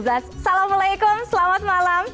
assalamualaikum selamat malam